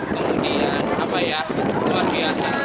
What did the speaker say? kemudian luar biasa